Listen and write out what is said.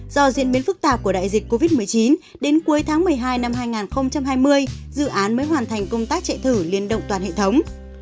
do diễn biến phức tạp của đại dịch covid một mươi chín đến cuối tháng một mươi hai năm hai nghìn hai mươi dự án mới hoàn thành công tác chạy thử liên động toàn hệ thống